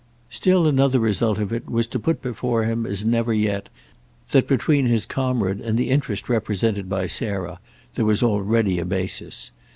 Still another result of it was to put before him as never yet that between his comrade and the interest represented by Sarah there was already a basis.